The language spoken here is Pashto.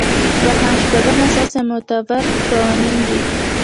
دوهم شپږ اساسي یا معتبر قوانین دي.